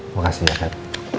makasih ya pak